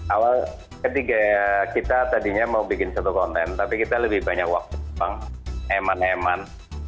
awal ketiga kita tadinya mau bikin satu konten tapi kita lebih banyak waktu memang eman eman